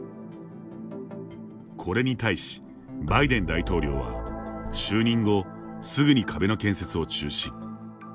これに対し、バイデン大統領は就任後すぐに壁の建設を中止。